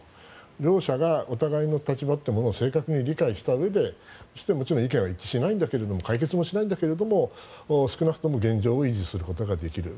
両者がお互いの立場を正確に理解したうえでそして、もちろん意見は一致しないんだけど解決もしないんだけど少なくとも現状を維持することができる。